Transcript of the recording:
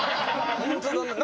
本当だな。